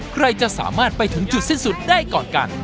ใครจะสามารถไปถึงจุดสิ้นสุดได้ก่อนกัน